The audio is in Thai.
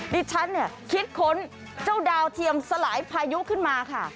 ดิฉันเนี่ยคิดค้นเจ้าดาวเทียมสลายพายุขึ้นมาค่ะ